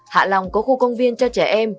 hạ long có khu công viên cho trẻ em